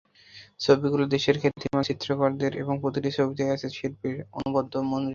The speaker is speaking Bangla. ছবিগুলো দেশের খ্যাতিমান চিত্রকরদের এবং প্রতিটি ছবিতেই আছে শিল্পীর অনবদ্য মুনশিয়ানা।